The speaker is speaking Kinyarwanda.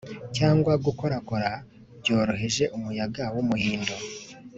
cyangwa gukorakora byoroheje umuyaga wumuhindo,